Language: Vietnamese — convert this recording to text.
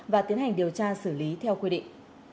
và tiến hành điều tra xử lý theo quy định